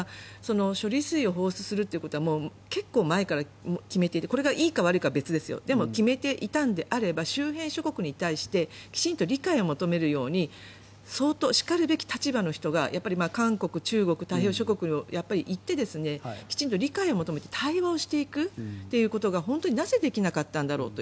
処理水を放出するということは結構前から決めていてこれがいいか悪いかは別ですよでも決めていたのであれば周辺諸国に対してきちんと理解を求めるように相当、しかるべき立場の人が韓国、中国太平洋諸国に行ってきちんと理解を求めて対話をしていくということが本当になぜできなかったんだろうと。